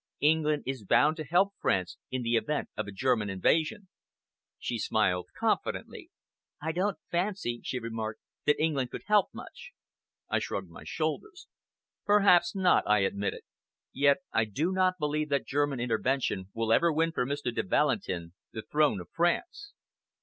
England is bound to help France in the event of a German invasion." She smiled confidently. "I don't fancy," she remarked, "that England could help much." I shrugged my shoulders. "Perhaps not," I admitted; "yet I do not believe that German intervention will ever win for Mr. de Valentin the throne of France."